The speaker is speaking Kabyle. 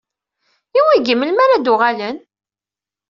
I wigi, melmi ara d-uɣalen?